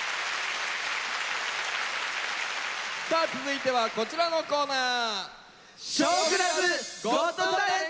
さあ続いてはこちらのコーナー。